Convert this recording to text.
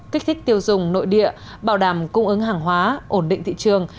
kích thích tiêu dùng nội địa bảo đảm cung ứng hàng hóa ổn định thị trường